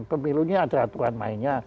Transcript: pemilunya ada aturan mainnya